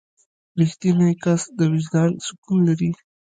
• رښتینی کس د وجدان سکون لري.